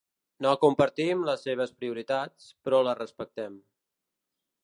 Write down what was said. No compartim les seves prioritats, però les respectem.